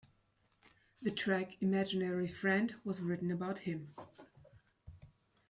The track, "Imaginary Friend", was written about him.